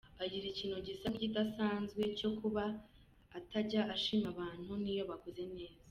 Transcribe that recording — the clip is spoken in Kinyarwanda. Agira ikintu gisa nk’ikidasanzwe cyo kuba atajya ashima abantu niyo bakoze neza.